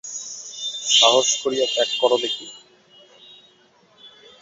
সাহস করিয়া ত্যাগ কর দেখি।